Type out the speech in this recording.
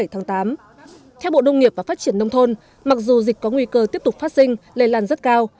theo bộ nông nghiệp và phát triển nông thôn mặc dù dịch có nguy cơ tiếp tục phát sinh lây lan rất cao